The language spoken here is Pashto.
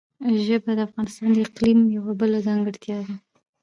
ژبې د افغانستان د اقلیم یوه بله ځانګړتیا ده.